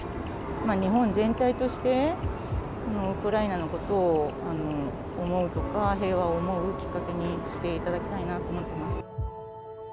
日本全体として、ウクライナのことを思うとか、平和を思うきっかけにしていただきたいなと思っています。